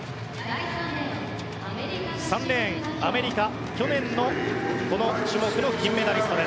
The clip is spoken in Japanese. ３レーン、アメリカ去年のこの種目の金メダリスト。